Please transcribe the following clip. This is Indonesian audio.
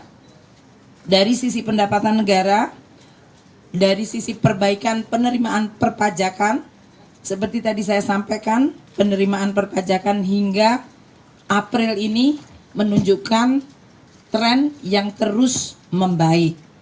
karena dari sisi pendapatan negara dari sisi perbaikan penerimaan perpajakan seperti tadi saya sampaikan penerimaan perpajakan hingga april ini menunjukkan tren yang terus membaik